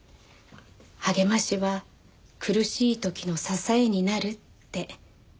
励ましは苦しい時の支えになるって。